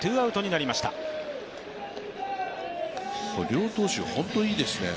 両投手、本当、いいですね。